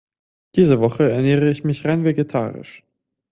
Diese Woche ernähre ich mich rein vegetarisch.